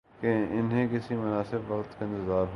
کہ انہیں کسی مناسب وقت کا انتظار ہو۔